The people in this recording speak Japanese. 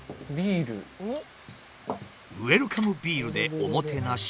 ウエルカムビールでおもてなし？